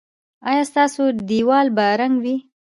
ایا ستاسو دیوال به رنګ وي؟